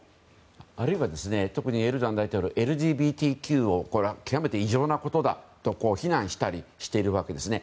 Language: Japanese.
あるいは特に、エルドアン大統領はＬＧＢＴＱを極めて異常なことだと非難したりしているわけですね。